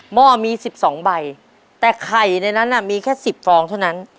ห้อมี๑๒ใบแต่ไข่ในนั้นมีแค่๑๐ฟองเท่านั้น